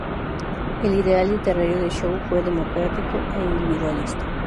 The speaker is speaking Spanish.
El ideal literario de Zhou fue democrático e individualista.